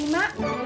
dibalas kagak ya